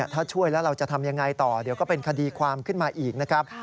ถ้าช่วยแล้วเราจะทำยังไงต่อเดี๋ยวก็เป็นคดีความขึ้นมาอีกนะครับ